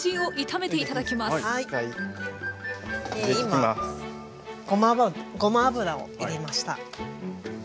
今ごま油を入れました。